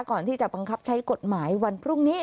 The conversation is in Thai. ก่อนที่จะบังคับใช้กฎหมายวันพรุ่งนี้